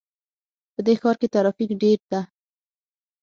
په دې ښار کې ترافیک ډېر ده